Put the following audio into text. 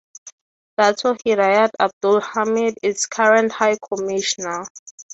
Dato’ Hidayat Abdul Hamid is current High Commissioner.